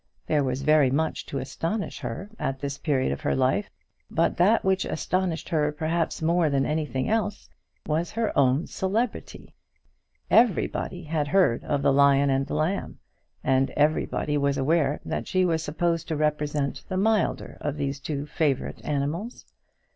There was very much to astonish her at this period of her life, but that which astonished her perhaps more than anything else was her own celebrity. Everybody had heard of the Lion and the Lamb, and everybody was aware that she was supposed to represent the milder of those two favourite animals.